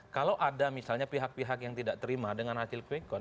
kalau ada misalnya pihak pihak yang tidak terima dengan hasil quick count